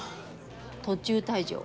途中退場。